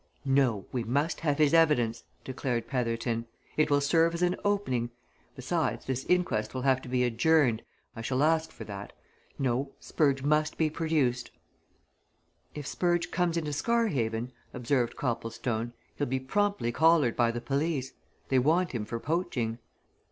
"No we must have his evidence," declared Petherton. "It will serve as an opening. Besides, this inquest will have to be adjourned I shall ask for that. No Spurge must be produced." "If Spurge comes into Scarhaven," observed Copplestone, "he'll be promptly collared by the police. They want him for poaching."